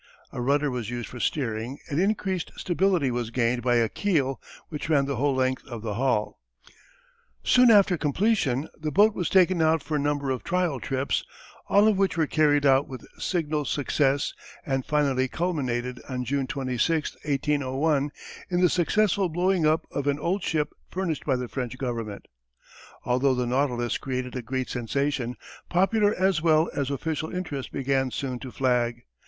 A rudder was used for steering, and increased stability was gained by a keel which ran the whole length of the hull. [Illustration: © U. & U. A Captured German Fokker Exhibited at the Invalides.] Soon after completion the boat was taken out for a number of trial trips all of which were carried out with signal success and finally culminated, on June 26, 1801, in the successful blowing up of an old ship furnished by the French Government. Although the Nautilus created a great sensation, popular as well as official interest began soon to flag.